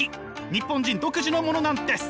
日本人独自のものなんです！